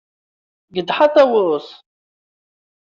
Gedha a Ṭawes!